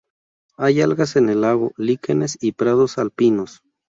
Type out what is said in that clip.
Hay algas en el lago, líquenes y prados alpinos.